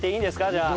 じゃあ。